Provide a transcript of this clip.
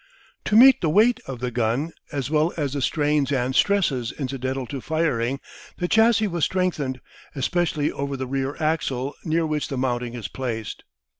To meet the weight of the gun, as well as the strains and stresses incidental to firing, the chassis was strengthened, especially over the rear axle near which the mounting is placed.